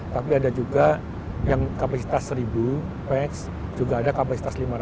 tapi ada juga yang kapasitas seribu pex juga ada kapasitas lima ratus